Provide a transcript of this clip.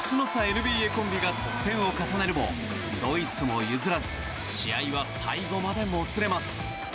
ＮＢＡコンビが得点を重ねるもドイツも譲らず試合は最後までもつれます。